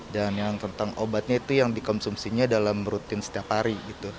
dan yang tentang obatnya itu yang dikonsumsinya dalam rutin setiap hari gitu